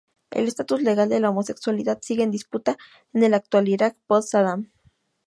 El estatus legal de la homosexualidad sigue en disputa en el actual Irak post-Saddam.